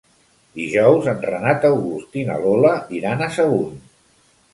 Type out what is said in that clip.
Dijous en Renat August i na Lola iran a Sagunt.